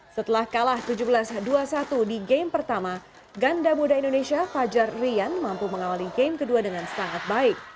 setelah kalah tujuh belas dua puluh satu di game pertama ganda muda indonesia fajar rian mampu mengawali game kedua dengan sangat baik